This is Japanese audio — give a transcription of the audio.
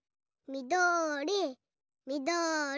みどりみどり。